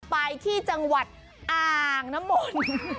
ไปที่จังหวัดอ่างน้ำมนต์